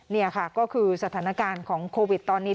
นี่ค่ะก็คือสถานการณ์ของโควิดตอนนี้